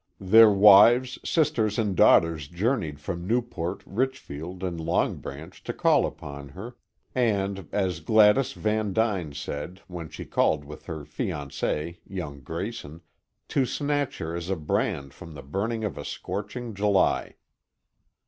Their wives, sisters, and daughters journeyed from Newport, Richfield and Long Branch to call upon her, and, as Gladys Van Duyn said, when she called with her fiancé young Grayson "to snatch her as a brand from the burning of a scorching July."